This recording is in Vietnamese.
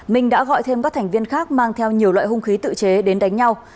minh đã gọi thêm các thành viên khác mang theo nhiều loại hung khí tự chế đến đánh nhau